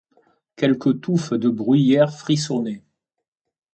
Quelques touffes de bruyère frissonnaient.